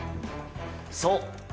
そう。